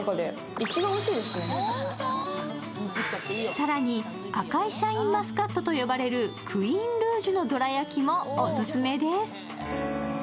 更に、赤いシャインマスカットと呼ばれるクイーンルージュのどら焼きもオススメです。